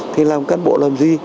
thì làm cán bộ làm gì